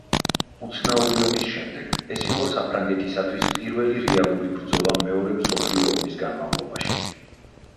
უცნაური ომის შემდეგ ეს იყო საფრანგეთისათვის პირველი რეალური ბრძოლა მეორე მსოფლიო ომის განმავლობაში.